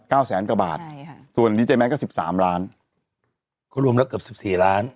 ใช่ค่ะส่วนดีใจแมนก็สิบสามล้านก็รวมรักกับสิบสี่ล้าน